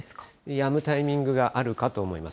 やむタイミングがあるかと思います。